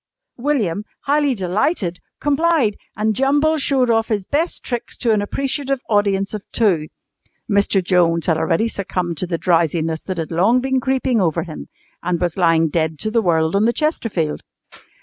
William, highly delighted, complied, and Jumble showed off his best tricks to an appreciative audience of two (Mr. Jones had already succumbed to the drowsiness that had long been creeping over him and was lying dead to the world on the chesterfield).